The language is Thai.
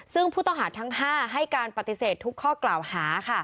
ซึ่งผู้ต้องหาทั้ง๕ให้การปฏิเสธทุกข้อกล่าวหา